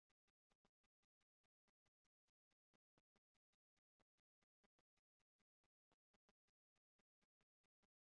Li lernis ankaŭ en privata lernejo de Henri Matisse.